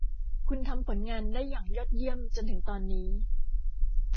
คุณทำผลงานได้อย่างยอดเยี่ยมจนถึงตอนนี้